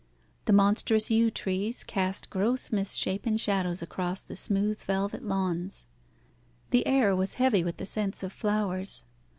The monstrous yew trees cast gross misshapen shadows across the smooth, velvet lawns. The air was heavy with the scents of flowers.